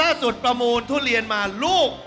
ประมูลทุเรียนมาลูก